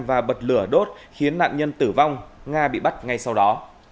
và bật lửa đốt khiến nạn nhân tử vong nga bị bắt ngay sau đó